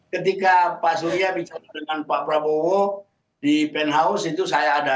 ketika pak surya bicara dengan pak prabowo di pen house itu saya ada